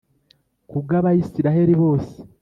Ku bw abisirayeli bose